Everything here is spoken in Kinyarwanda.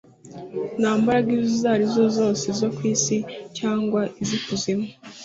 Nta mbaraga izo arizo zose zo ku isi cyangwa iz'ikuzimu